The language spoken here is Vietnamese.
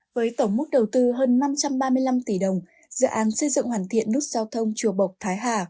với tổng mức đầu tư hơn năm trăm ba mươi năm tỷ đồng dự án xây dựng hoàn thiện nút giao thông chùa bộc thái hà